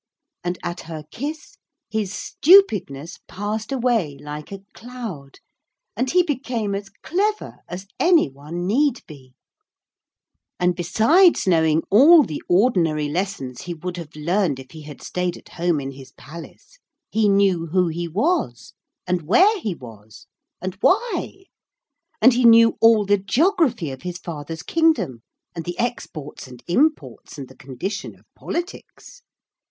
And at her kiss his stupidness passed away like a cloud, and he became as clever as any one need be; and besides knowing all the ordinary lessons he would have learned if he had stayed at home in his palace, he knew who he was, and where he was, and why, and he knew all the geography of his father's kingdom, and the exports and imports and the condition of politics.